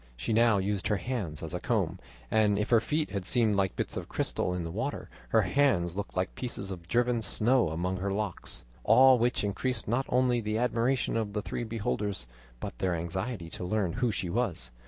She now used her hands as a comb, and if her feet had seemed like bits of crystal in the water, her hands looked like pieces of driven snow among her locks; all which increased not only the admiration of the three beholders, but their anxiety to learn who she was.